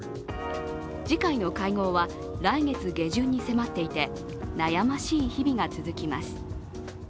次回の会合は来月下旬に迫っていて悩ましい日々が続きます。